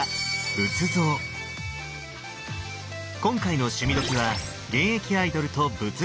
今回の「趣味どきっ！」は現役アイドルと仏像旅。